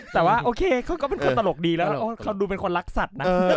แต่ว่าโอเคเขาก็เป็นคนตลกดีแล้วเขาดูเป็นคนรักสัตว์นะ